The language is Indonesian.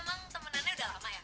emang temenannya udah lama ya